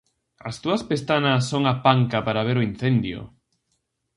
As túas pestanas son a panca para ver o incendio!